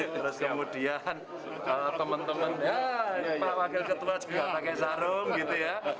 terus kemudian teman temannya pak wakil ketua juga pakai sarung gitu ya